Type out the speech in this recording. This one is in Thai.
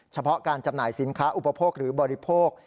เฉพาะการจำหน่ายสินค้าอุปโภคหรือบริโภค